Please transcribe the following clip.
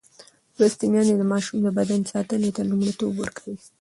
لوستې میندې د ماشوم د بدن ساتنې ته لومړیتوب ورکوي.